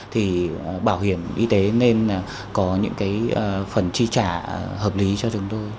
thì bảo hiểm y tế nên có những cái phần chi trả hợp lý cho chúng tôi